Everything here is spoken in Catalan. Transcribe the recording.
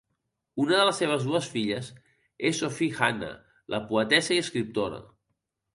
Una de les seves dues filles és Sophie Hannah, la poetessa i escriptora.